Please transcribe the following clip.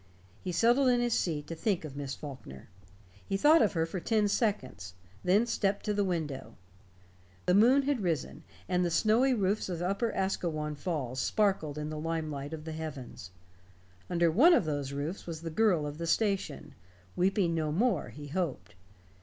He settled in his seat to think of Miss Faulkner. He thought of her for ten seconds; then stepped to the window. The moon had risen, and the snowy roofs of Upper Asquewan Falls sparkled in the lime light of the heavens. Under one of those roofs was the girl of the station weeping no more, he hoped.